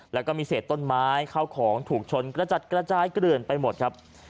แล้วก็มีเศษต้นไม้เข้าของถูกชนกระจัดกระจายเกลื่อนไปหมดครับ